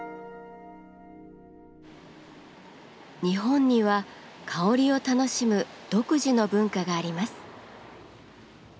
日本には香りを楽しむ独自の文化があります。